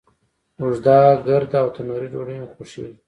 اوږده، ګرده، او تنوری ډوډۍ می خوښیږی